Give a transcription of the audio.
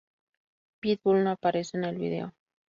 Pitbull no aparece en el vídeo.